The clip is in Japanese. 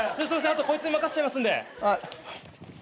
あとこいつに任せちゃいますんで。